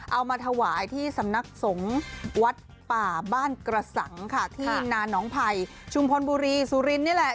เอามาถวายที่สำนักสงฆ์วัดป่าบ้านกระสังค่ะที่นาน้องไผ่ชุมพลบุรีสุรินนี่แหละ